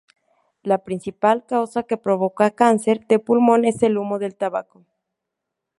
La principal causa que provoca cáncer de pulmón es el humo del tabaco.